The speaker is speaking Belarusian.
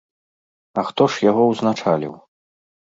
А хто ж яго ўзначаліў?